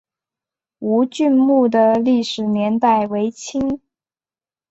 吴郡墓的历史年代为清。